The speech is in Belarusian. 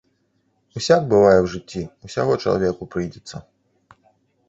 Усяк бывае ў жыцці, усяго чалавеку прыйдзецца.